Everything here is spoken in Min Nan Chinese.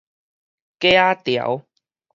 粿仔條